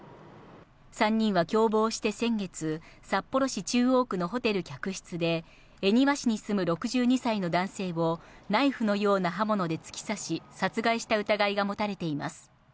３人は共謀して先月、札幌市中央区のホテル客室で恵庭市に住む６２歳の男性をナイフのような刃物で突き刺し、殺害した疑いが持たれています。